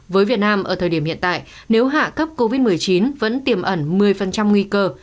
với việt nam ở thời điểm hiện tại nếu hạ cấp covid một mươi chín vẫn tiềm ẩn một mươi nguy cơ